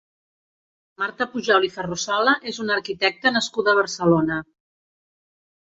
Marta Pujol i Ferrusola és una arquitecta nascuda a Barcelona.